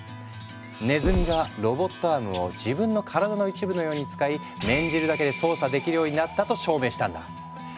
ねずみがロボットアームを自分の体の一部のように使い念じるだけで操作できるようになったと証明したんだ。